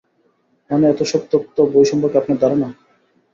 মানে এতসব তত্ত্ব, বই সম্পর্কে আপনার ধারণা।